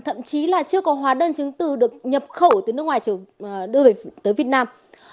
thậm chí là chưa có hóa đơn chứng từ được nhập khẩu từ nước ngoài đưa tới việt nam